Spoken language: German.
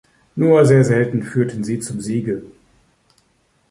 Nur sehr selten führten sie zum Siege.